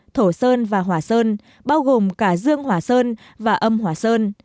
thổ sơn và hỏa sơn bao gồm cả dương hỏa sơn và âm hỏa sơn